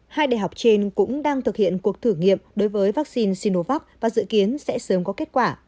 hai đại học trên cũng đang thực hiện cuộc thử nghiệm đối với vaccine sinovac và dự kiến sẽ sớm có kết quả